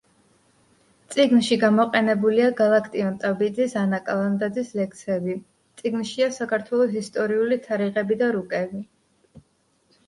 წიგნში გამოყენებულია გალაქტიონ ტაბიძის, ანა კალანდაძის ლექსები, წიგნშია საქართველოს ისტორიული თარიღები და რუკები.